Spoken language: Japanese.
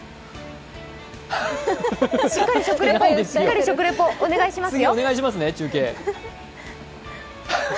しっかり食レポお願いしますよ。